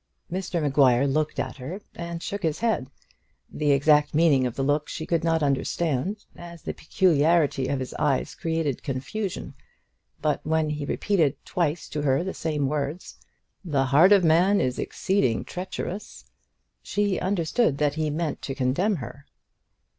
Mr Maguire looked at her, and shook his head, the exact meaning of the look she could not understand, as the peculiarity of his eyes created confusion; but when he repeated twice to her the same words, "The heart of man is exceeding treacherous," she understood that he meant to condemn her.